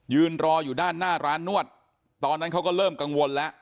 ยืนรออยู่ด้านหน้าร้านนวดตอนนั้นเขาก็เริ่มกังวลแล้ว